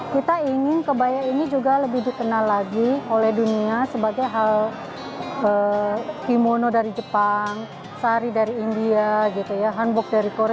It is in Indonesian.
kita ingin kebaya ini juga lebih dikenal lagi oleh dunia sebagai hal kimono dari jepang sari dari india gitu ya hanbok dari korea